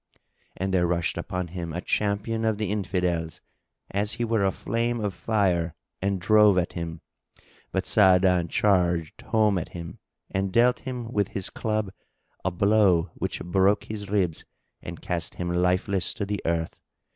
And there rushed upon him a Champion of the Infidels, as he were a flame of fire, and drove at him, but Sa'adan charged home at him and dealt him with his club a blow which broke his ribs and cast him lifeless to the earth.